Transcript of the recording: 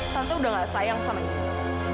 tante udah gak sayang sama ibu